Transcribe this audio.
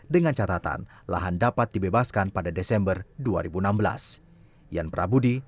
dengan catatan lahan dapat dibebaskan pada desember dua ribu enam belas